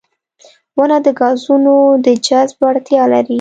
• ونه د ګازونو د جذب وړتیا لري.